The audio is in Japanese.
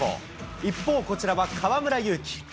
一方、こちらは河村勇輝。